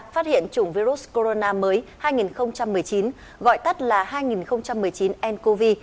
phát hiện chủng virus corona mới hai nghìn một mươi chín gọi tắt là hai nghìn một mươi chín ncov